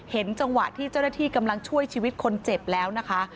จังหวะที่เจ้าหน้าที่กำลังช่วยชีวิตคนเจ็บแล้วนะคะ